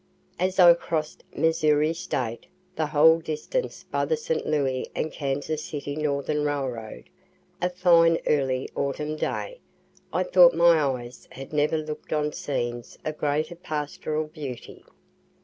As I cross'd Missouri State the whole distance by the St. Louis and Kansas City Northern Railroad, a fine early autumn day, I thought my eyes had never looked on scenes of greater pastoral beauty.